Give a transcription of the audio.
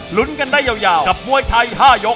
ลุ้นกันได้ยาวกับมวยไทย๕ยก